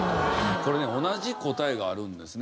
これね同じ答えがあるんですね。